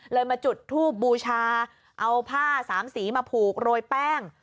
มาจุดทูบบูชาเอาผ้าสามสีมาผูกโรยแป้ง